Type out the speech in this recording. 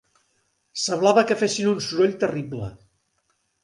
Semblava que fessin un soroll terrible.